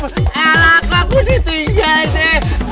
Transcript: elak aku ditinggalin nek